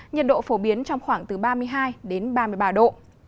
nhiệt độ phổ biến trong khoảng từ ba mươi hai đến ba mươi ba độ